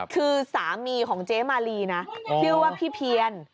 คือสามีของเจ๊มาลีนะชื่อว่าพี่เพียน